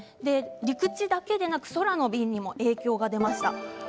陸地だけでなく空の便にも影響が出ました。